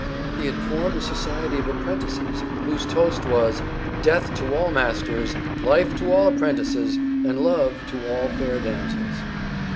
He had formed a society of apprentices whose toast was, "Death to all masters, life to all apprentices, and love to all fair damsels!"